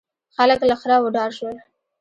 خلک له خره وډار شول.